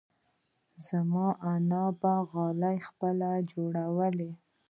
زما انا به غالۍ پخپله جوړوله.